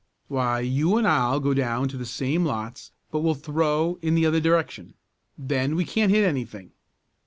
"Why you and I'll go down in the same lots but we'll throw in the other direction. Then we can't hit anything.